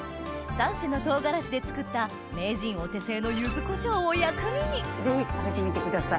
３種の唐辛子で作った名人お手製の柚子胡椒を薬味にぜひ食べてみてください。